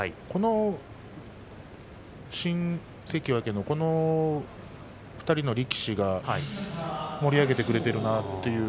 この新関脇の２人の力士が盛り上げてくれているなと。